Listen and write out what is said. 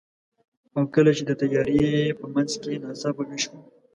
او کله چې د تیارې په منځ کې ناڅاپه ویښ شوم،